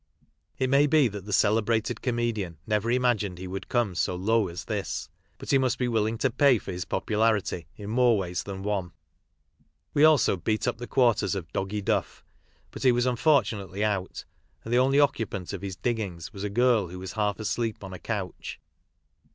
It may be that the celebrated comedian never imagined he would come so "low " as this, but he must be willing to pay for his popularity in more ways than one. "We also beat up the quarters of Boggy Duff, but he was unfortunately out, and the only occupant of his "diggings" was a girl who was half asleep on a couch.